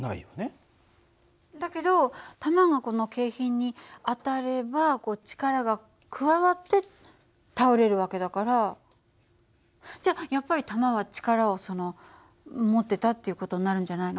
だけど弾がこの景品に当たればこう力が加わって倒れる訳だからじゃやっぱり弾は力をその持ってたっていう事になるんじゃないの？